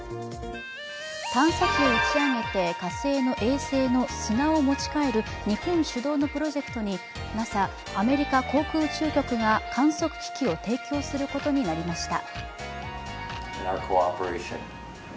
探査機を打ち上げて火星の衛星の砂を持ち帰る日本主導のプロジェクトにＮＡＳＡ＝アメリカ航空宇宙局が観測機器を提供することになりました。